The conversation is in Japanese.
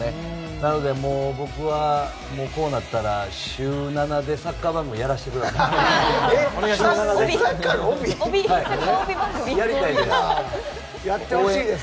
なので、僕はこうなったら週７でサッカー番組やらせてください。お願いします。